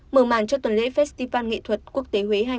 mở màn cho tuần lễ festival nghệ thuật quốc tế huế hai nghìn hai mươi bốn